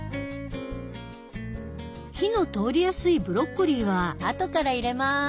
火の通りやすいブロッコリーはあとから入れます。